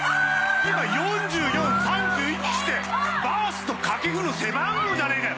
てか「４４」「３１」ってバースと掛布の背番号じゃねえかよ！